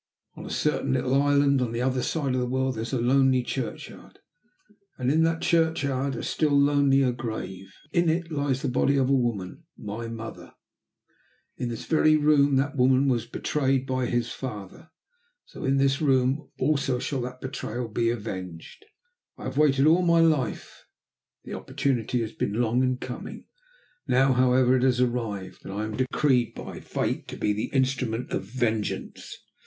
On a certain little island on the other side of the world there is a lonely churchyard, and in that churchyard a still lonelier grave. In it lies the body of a woman my mother. In this very room that woman was betrayed by his father. So in this room also shall that betrayal be avenged. I have waited all my life; the opportunity has been long in coming. Now, however, it has arrived, and I am decreed by Fate to be the instrument of Vengeance!"